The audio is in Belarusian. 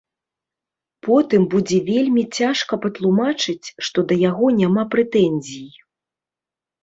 Потым будзе вельмі цяжка патлумачыць, што да яго няма прэтэнзій.